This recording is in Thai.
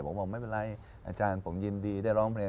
ผมบอกไม่เป็นไรอาจารย์ผมยินดีได้ร้องเพลง